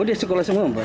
oh dia sekolah semua